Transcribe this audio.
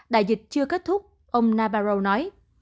đại dịch chưa kết thúc ông nabarro nói